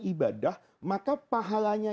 ibadah maka pahalanya